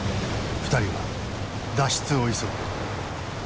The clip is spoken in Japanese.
２人は脱出を急ぐ。